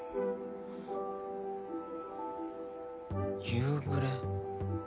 夕暮れ。